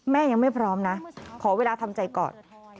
ยังไม่พร้อมนะขอเวลาทำใจก่อน